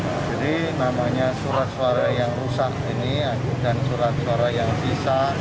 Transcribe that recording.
jadi namanya surat suara yang rusak ini dan surat suara yang sisa